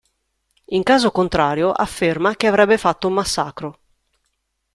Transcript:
In caso contrario afferma che avrebbe fatto un massacro.